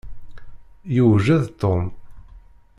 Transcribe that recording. Yewjed Tom.